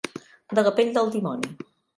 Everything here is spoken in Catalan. De la pell del dimoni.